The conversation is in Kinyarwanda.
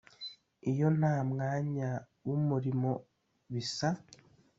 iyo nta mwanya w’umurimo bisa